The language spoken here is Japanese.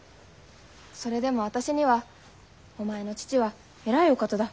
それでも私には「お前の父は偉いお方だ。